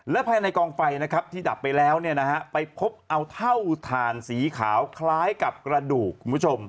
และภายในกองไฟนะครับที่ดับไปแล้วไปพบเอาเท่าฐานสีขาวคล้ายกับกระดูกคุณผู้ชม